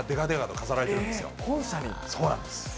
そうなんです。